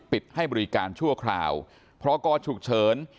ปิดให้บริการชั่วคราวพกชุกเฉิน